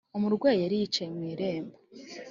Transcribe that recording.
Umwami yari yicaye mu irembo